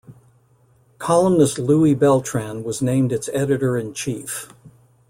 Columnist Louie Beltran was named its editor-in-chief.